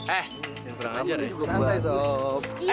eh yang kurang ajar ya